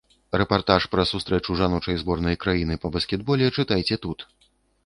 Рэпартаж пра сустрэчу жаночай зборнай краіны па баскетболе чытайце тут.